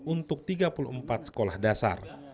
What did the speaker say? untuk tiga puluh empat sekolah dasar